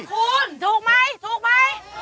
ดอกคูณถูกไหมถูกไหม